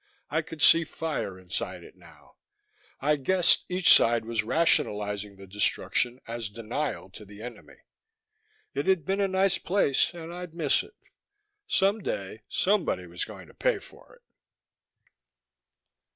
I could see fire inside it now. I guessed each side was rationalizing the destruction as denial to the enemy. It had been a nice place and I'd miss it. Some day somebody was going to pay for it.